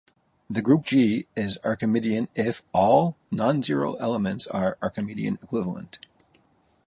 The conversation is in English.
The group "G" is Archimedean if "all" nonzero elements are Archimedean-equivalent.